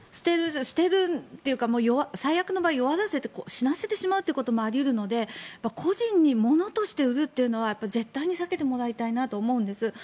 捨てるというか最悪の場合、弱らせて死なせてしまうということもありうるので個人にものとして売るというのは絶対に避けてもらいたいと思うんです。